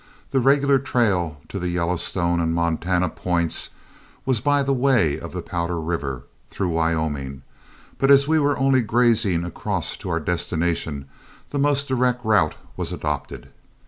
The regular trail to the Yellowstone and Montana points was by the way of the Powder River, through Wyoming; but as we were only grazing across to our destination, the most direct route was adopted.